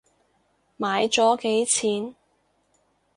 買咗幾錢？